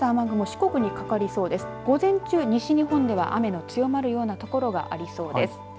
午前中、西日本では雨の強まるような所がありそうです。